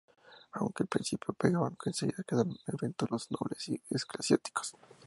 Aunque al principio pagaban, enseguida quedaron exentos los nobles y eclesiásticos.